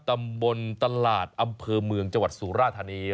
ตำบลตลาดอำเภอเมืองจสุราธานี